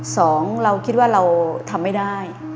สองเราคิดว่าเราทำไม่ได้